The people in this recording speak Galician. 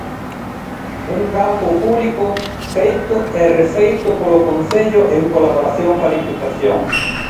Un campo público, feito e refeito polo Concello en colaboración coa Deputación.